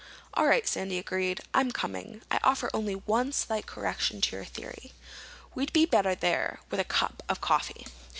"All right," Sandy agreed. "I'm coming. I offer only one slight correction to your theory. We'd better be there—with a cup of coffee."